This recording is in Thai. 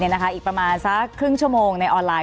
อีกประมาณสักครึ่งชั่วโมงในออนไลน